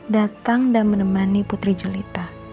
datang dan menemani putri jelita